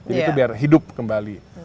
jadi itu biar hidup kembali